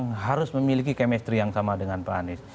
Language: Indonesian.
untuk memiliki kemampuan yang sama dengan anies